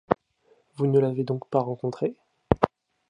Vous ne l’avez donc pas rencontrée ?